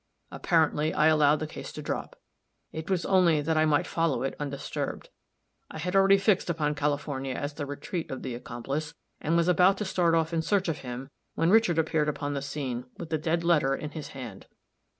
Apparently, I allowed the case to drop. It was only that I might follow it undisturbed. I had already fixed upon California as the retreat of the accomplice, and was about to start off in search of him when Richard appeared upon the scene with the dead letter in his hand.